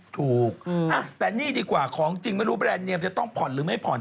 ถูกแต่นี่ดีกว่าของจริงไม่รู้แบรนดเนียมจะต้องผ่อนหรือไม่ผ่อน